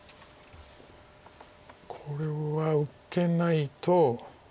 これは受けないと。